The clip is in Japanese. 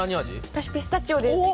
私ピスタチオです